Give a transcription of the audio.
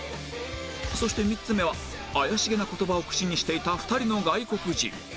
そして３つ目は怪しげな言葉を口にしていた２人の外国人